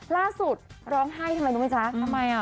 ล่าสุดร้องไห้ทำไมรู้ไหมจ๊ะทำไมอ่ะ